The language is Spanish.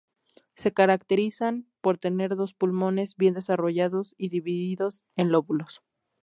Se caracterizan por tener dos pulmones bien desarrollados y divididos en lóbulos.